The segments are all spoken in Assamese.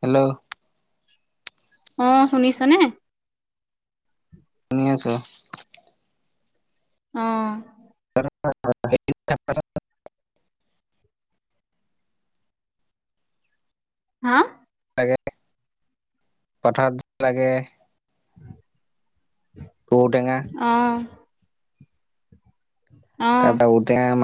হেল্ল' অ, শুনিছনে? শুনি আছোঁ। উম, [unintelligible] হা? [unintelligible] ঔটেঙা অ, অ [unintelligible] ঔটেঙা [unintelligible]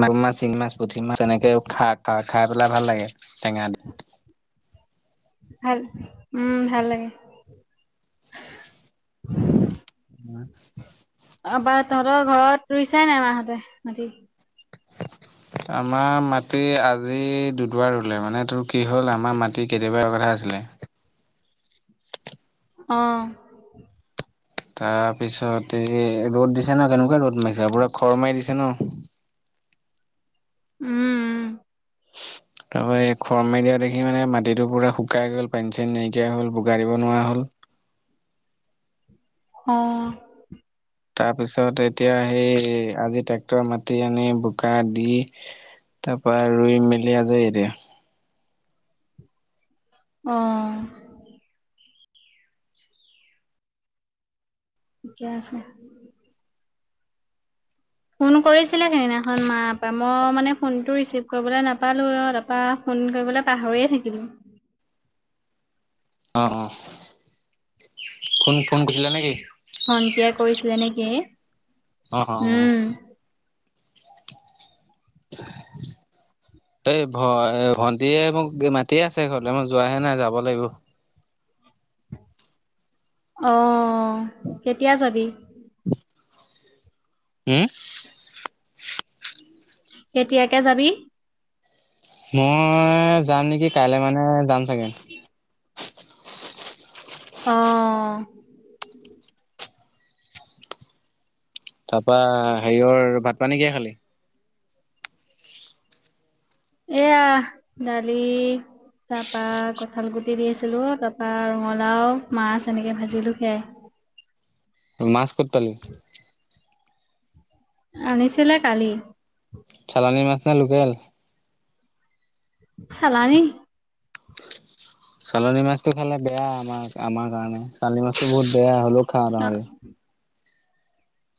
মাগু মাছ, শিঙি মাছ পুঠি মাছ, তেনেকে খা-খাই পেলাই ভাল লাগে টেঙা দি ভাল, উম, ভাল লাগে। আপাৰ তহঁতৰ ঘৰত ৰুইছাই নাই মাহঁতে মাটি? [unintelligible] আমাৰ মাটি আজি দু দুবাৰ ৰুলে মানে তোৰ কি হ'ল আমাৰ মাটি কেতিয়াবা কথা আছিল ছিলে। অ, তাৰ পিছত এই ৰ'দ দিছে ন কেনেকুৱা ৰ'দ মাৰিছে পুৰা খৰ মাৰি দিছে ন। উম, উম। তাৰ পৰাৰা খৰ মাৰ দিয়া দেখি মানে মাটিটো পূৰা শুকাই গ'ল পানী চানী নাইকিয়া হ'ল বোগা দিব নোৱাৰা হ'ল। [inaudible] অ, তাৰপিছত এতিয়া সেই আজি টেক মাতি আনি বোকা দি তাৰ পৰা ৰুই মেলি আজৰি এতিয়া। অ, ঠিকে আছে। [unintelligible] ফোন কৰিছিলে সেইদিনাখন মাৰ মই মানে ফোনটো ৰিচিভ কৰিবলৈ নাপালোঁ তাৰা ফোন কৰিব লে পাহৰিয়ে থাকিলোঁ। অ, অ, [unintelligible] নেকি? ভণ্টিয়ে কৰিছিলে নেকি? অ, অ, অ। উম [unintelligible] এই ভ-ভন্টিয়ে মোক মাতিে আছে ঘৰলৈ মই যোৱাহে নাই যাব লাগিব। অ, কেতিয়া যাবি? উম, কেতিয়াকে যাবি? মই যাম নেকি, কাইলে মানে যাম চাগে। অ, তাৰপা হেৰিয়ৰ, ভাত পানী কিহে খালি? এয়া, দালি তাৰ পৰা কঠাল গুটি দিছিলোঁ তাৰপা ৰঙালাও মাছ এনেকে ভাজিলোঁ সেয়াই। মছ ক'ত পালি? আনিছিলে কালি। পানীৰ মাছ নে লোকেল? চালানি চালনী মাছটো খালে বেয়া। আমাৰ, আমাৰ কাৰণে চালানী মাছতো বহুত বেয়া হ'লেও খা, অ হয়।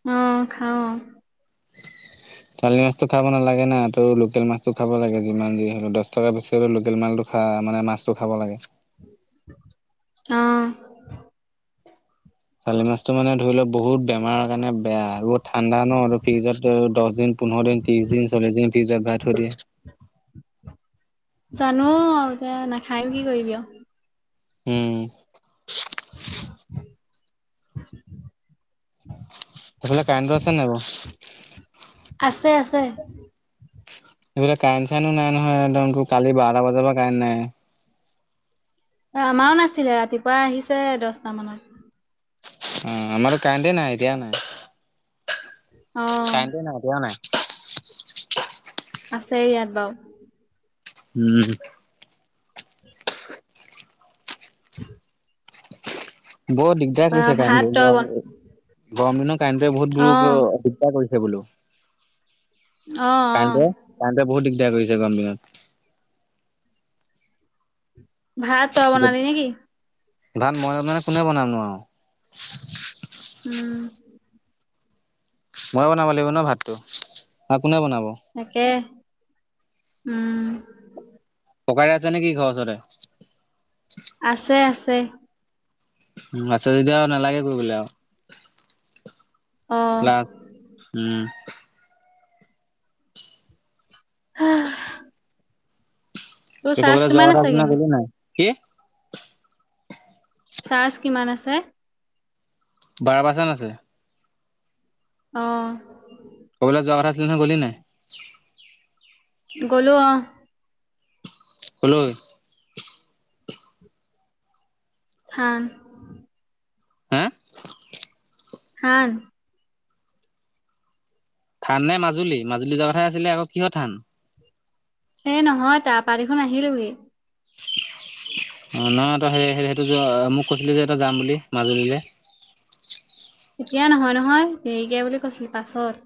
অ, খাওঁ। চোৱালি মাছতো খাব নালাগে না, তো, লোকেল মাছতটো খাব লাগে। যি, যি, হলে দহ টকা বেছি হ'লে লোকেল মাছটো খাব মানে মাছটো খাব লাগে। আহ। চালি মাছটো মানে ধৰি লও, বহুত বেমাৰৰ কাৰণে। বেয়া বহুত ঠাণ্ডা ন, আৰু ফ্ৰিজত দহ দিন, পোন্ধৰ দ, ত্ৰিশ দিন, চল্লিশ দিন, ফ্ৰিজত ভাই থৈ দিয়ে। জানো আৰু এতিয়া নাখায় কি কৰিবি অ'। উম। [inaudible] সেইফালে কণ ৰছে নাই ব'। আছে, আছে। এইবোাক কাৰেণ্ট চাইনো নাই নহয়। একদ কালি বাৰটা বজাৰ পৰা কাৰেণ্ট নাই। আমাৰও নাছিলে, ৰাতিপুৱা আহিছে, দছটা মানত। অ, আমাৰ কাহদে নাই, এতিয়া নাই। অ কাইতে নতি, ন। আছে ইয়াত বু উম। বৰ দিগদাৰ বা কৰিছে কণ ভাত তই গৰম, বন গৰম দিনত। কণ্টে বহুত অ বুৰুক অভিজ্ঞা কৰিছে বোলো। অ অ কতে, কণ্তে বহুত দিগদাৰ কৰিছে, গম দঙত। ভাত পোৱা বন দি, নেকি। ধান, বন, যাম মানে কোনে বনাম ন, আৰু। উম। ময় বনাব লাগিব ন, ভাতটো ন, কোনে বনাব। তাকে উম। পকাই আছে, নেকি ঘৰ ওচৰে। আছে, আছে। উ, আচ্ছা যদি আৰু নালাগে ক বলে আৰু অ প্লা, উম। তোৰ ত, চাৰ্জ কবলে য, কিমান আছে ন, কিনো কলে নাই কি। চাৰ্জ কিমান আছে। বাৰ পাচন, আছে। আহ। ক'বলৈ যোৱা কথা আছিলে নহয়, গ'লি নাই। গ'লো অ'। হ্লৈ হা। হে হা। থান নে মাজুলী, মাজুলী, যোৱাৰ কথাে আছিলে, আকৌ কিহৰ থান? সেই নহয়, তাৰ পাৰীখন আহিলোহি। নহয়ইে, সেইটো মোক কৈছিলে যে, এটা যাম বুলি মাজুলীলৈ। এতিয়া নহয়, নহয় দেৰিকে বুলি কৈছিল পাছৰ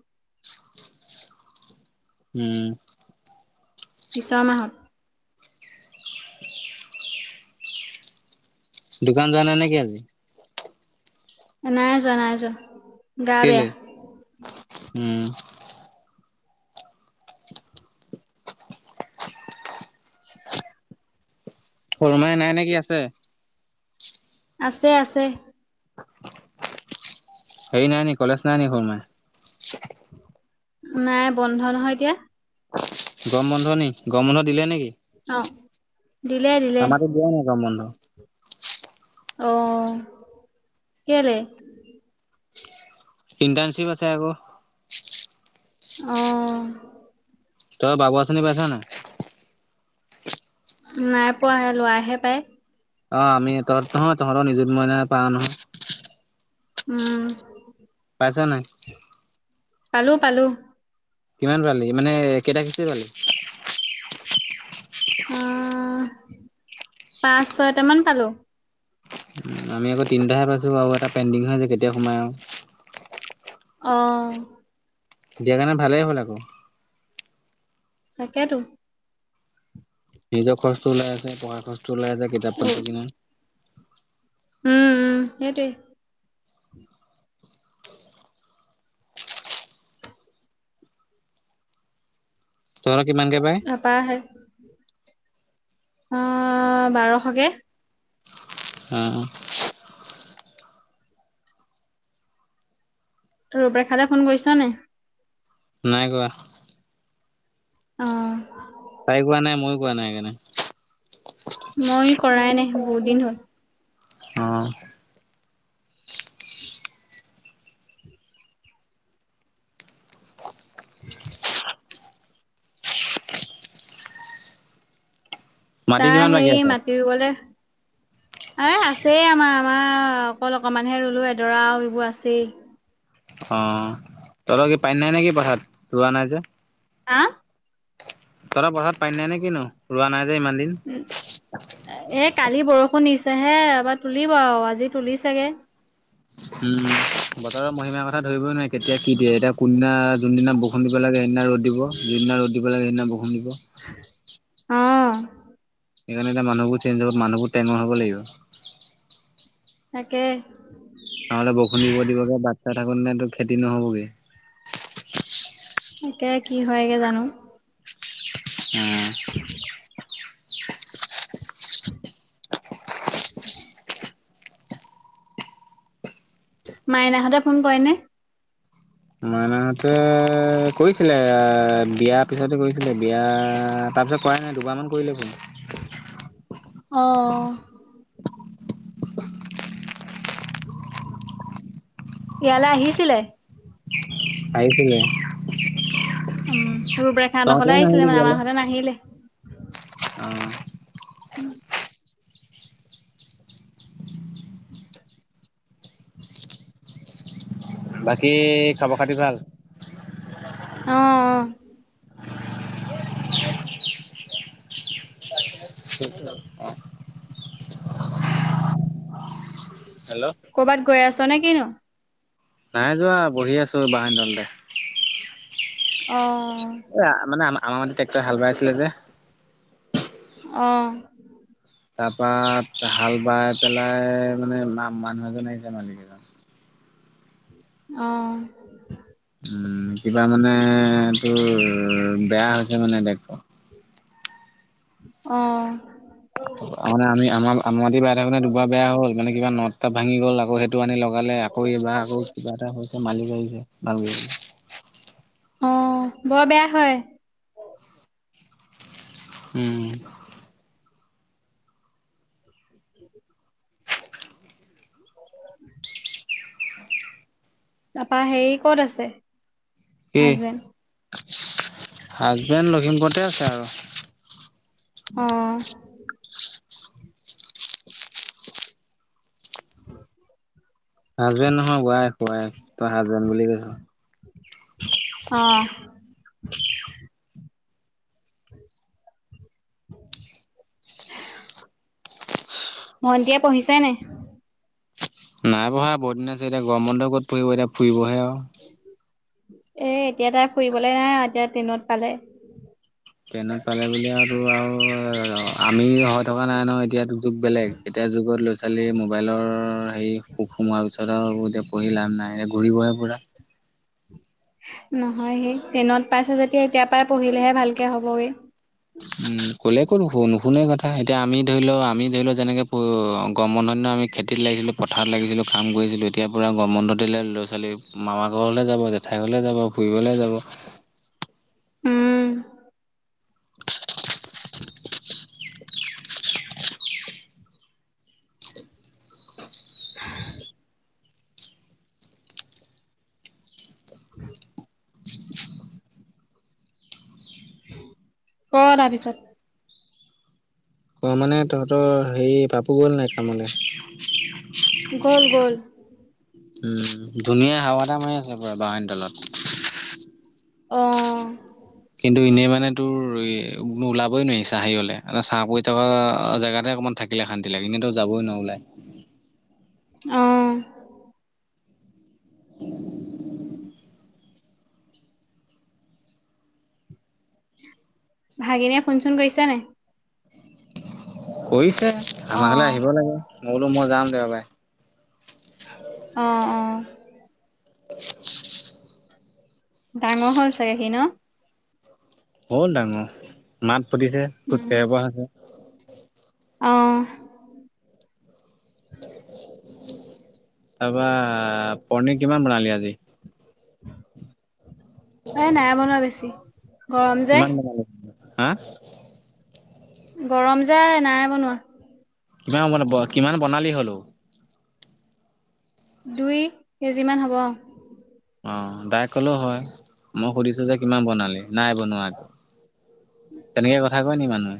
উম। বিছ মাহ। দোকান যোৱা নাই নেকি আজি। নাই যোৱা, নাই যোৱা। গা বেয়া কেলে উম শৰুমাই নাই নে কি আছে আছে আছে হেৰি নাই নি কলেজ নাই নি ঘ মাই নাই বন্ধ নহয় এতিয়া গম বন্ধ নি গম বন্ধ দিলে নেকি অ দিলে দিলে আমাক দিয় ন ক বন্ধ আহ কি ইণ্টাৰ্ণশ্বিপ আছে আকৌ আহ তই বাবু আচিনী পাই থান নাই পোৱাাহে লোৱাহে পায় অ আমি তহঁত নোহয় তহঁতৰ নিযুত মই ন পা নহয় উম কছা নাই পালো পালো কিমান পালি মানে কেইটা কেিচ পালি আহ পাঁচ ছয়টামান পালো আমি আকৌ তিনিটাহে পাইছোঁ আৰু এটা পেইণ্ডিং হৈ যায় কেতিয়া সোমাই আৰু অ দিয়াৰ কাৰণে ভালেই হ'ল আকৌ তাকাতো নিজৰ খৰচটো ওলাই আছে পঢ়াৰ খৰচটো ওলাই আছে কিতাপ পাত্ৰ কিনা উম উম হেৰি তৰা কিমানকে পাই এপাৰ হে অ বাৰশকে অ অ তৰপৰা খালে ফোন কৰিছ নে নাই কোৱা অ তাই কোৱা নাই ময়ো কোৱা নাই সেইকাৰণে মই কৰাই নাই বহুত দিন হ'ল অ উম মাটি তাই কিমান বাকী সেই আছে মাতিবলে এ আছেই আমাৰ আমাৰ অকল অকমানহে ৰুলো এডৰা আৰু এইবোৰ আছেই অ তলৰ কি পানী নাই নে কি পঠাত ৰোৱা নাই যে আহ তইৰা পথাদ পাই নাই নে কিনো ৰোৱা নাই যে ইমান দিন উ এ কালি বৰষুণ নি হে আমাৰ তুলিব আৰু আজি তুলি চাগে উম বতৰৰ মহিমাৰ কথা ধৰিবই নোৱাৰি কেতিয়া কি দিয়ে এতিয়া কুননা যোনদিনা বৰষুণ দিব লাগে সেইদিনা ৰ'দ দিব যোনদিনা ৰ'দ দিব লাগে সদিনা বৰষুণ দিব অ সেইকাৰণে এতিয়া মানুহবোৰ চেইঞজ হ মানুহবোৰ টাইমৰ হব লাগিব তাকে থাক নতো খেতি নহ'বগে একি হয়গে জানো অহ উ [unintelligible] মাইনহঁতে ফোন কৰে ন মানুহতে কৰিছিলে বিয়াৰ পিছতে কৰিছিলে বিয়া তাৰপিছত কৰাই নাই দুবাৰমান কৰিলে ফোন। অ'। ইয়ালৈ আহিছিলে। আহিছিলে। উম, [unintelligible] তহঁতেও আহিছিলে নাহিলি মানে বিয়ালে। আমাৰ ঘৰলে নাহিলে। অ'। [unintelligible] [unintelligible] বাকী খবৰ খাতি ভাল। অ', অ'। [inaudible] হেল্ল' কৰ'বাত গৈ আছোঁ নে কিনো? নাই যোৱা বহি আছোঁ বাহঁৰ তলতে। অ'। এ মানে আমা আমাৰ [unintelligible] ট্ৰেক্টৰে হাল বাই আছিলে যে। অ'। তাৰপা হাল বাই পেলাই মানে মা- মানুহ এজন আহিছে মালিক এজন। অ'। উম, কিবা মানে তোৰ বেয়া হৈছে মানে বেকটো। অ'। মানে [unintelligible] বাই থাকোতে দুবাৰ বেয়া হ'ল মানে কিবা নট টট ভাঙি গ'ল আৰু। সেইটো আনি লগালে আকৌ এইবাৰ আকৌ কিবা এটা হৈছে মালিক আহিছে ভাল কৰিবলে। অ' বৰ বেয়া হয়। উম। [inaudible] তাৰপৰা হেৰি ক'ত আছে? কি হাজবেণ্ড। হাজবেণ্ড লখিমপুৰতে আছে আৰু। অ'। হাজবেণ্ড নহয় ৱাইফ ৱাইফ তই হাজবেণ্ড বুলি কৈছোঁ। অ'। ভন্টিয়ে পঢ়িছে নাই। নাই পঢ়া বহুত দিন আছে এতিয়া গৰম বন্ধ ক'ত পঢ়িব এতিয়া ফুৰিবহে আৰু। এ এতিয়া তাই ফুৰিবলে নাই এতিয়া ট্ৰেইনত পালে। টেইনত পালে বুলি আৰু তোৰ আৰু আমি হয় থকা নাই নহয় এতিয়াতো যুগ বেলেগ এতিয়াৰ যুগত ল'ৰা ছোৱালীৰ মোবাইলৰ হেৰি পুক সোমাল। [unintelligible] এতিয়া পঢ়ি লাভ নাই এতিয়া ঘূৰিবহে পুৰা। নহয় সেই টেনত পাইছে যেতিয়া এতিয়াৰ পৰা পঢ়িলেহে ভালকে হ'বগে। উম, ক'লে কো নুশুন নুশুনে কথা এতিয়া আমি ধৰি লওঁ আমি ধৰি লওঁ যেনেকে [unintelligible] গৰম বন্ধ দিনা আমি খেতিত লাগিছিলোঁ পথাৰত লাগিছিলোঁ কাম কৰিছিলোঁ এতিয়া পুৰা গৰম বন্ধ দিলে ল'ৰা ছোৱালী মামা ঘৰলৈ যাব। জেঠাই ঘৰলৈ যাব ফুৰিবলৈ যাব। উম। [unintelligible] [unintelligible] [inaudible] ক' তাৰপিছত। অ' মানে তহঁতৰ হেৰি পাপু গ'ল নাই কামলৈ। গ'ল গ'ল। উম, ধুনীয়াাই হাৱা এটা মাৰি আছে পুৰা বাঁহনিৰ তলত। অ'। কিন্তু এনেই মানে তোৰ ওলাবই নোৱাৰি, চাহে হ'লে চাহ পৰি থকা জেগাতে। অকণমান থাকিলে শান্তি লাগে, এনে তই যাবই নোৱাৰ ওলায়। অ'। [unintelligible] ভাগিনীয়ে ফোন চোন কৈৰিছে নে নাই? কৰিছে অ'। আমাৰ ঘৰলে আহিব লাগে, মই বোলো মই যাম দেওবাৰে। অ', অ'। [inaudible] ডাঙৰ হ'ল চাগে সি ন? হ'ল ডাঙৰ মাত ফুতিছে খোজ উম, কাহিব পৰা হৈছে। অ'। তাৰপৰা পনিৰ কিমান বনালি আজি? এ, নাই বনোৱা বেছি গৰম যে। কিমান বনালি হা? গৰম যে নাই বনোৱা। কিমান, কিমান বনালি হ'লোওঁ? দুই কেজিমান হ'ব। অ', ডাইৰেক্ট কলেওঁ হয় মই সুধিছো যে কিমান বনালি নাই বনোৱাটো। তেনেকে কথা কয় নি মানুহে।